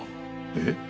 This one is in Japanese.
えっ？